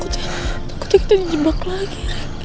gue takutnya kita di jebak lagi